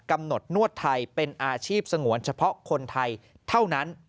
กำหนดนวดไทยเป็นอาชีพสงวนเฉพาะคนไทยเท่านั้น